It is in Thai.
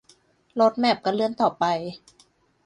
โรดแมปก็เลื่อนต่อไป